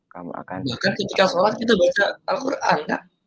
bahkan ketika sholat kita baca al quran